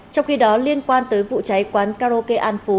trong khi đó liên quan tới vụ cháy quán karaoke an phú